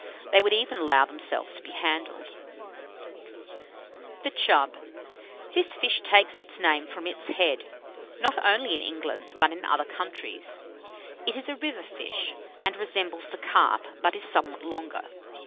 They would even allow themselves to be handled." [Illustration: THE CHUB.] [Illustration: THE CHAR.] THE CHUB. This fish takes its name from its head, not only in England, but in other countries. It is a river fish, and resembles the carp, but is somewhat longer.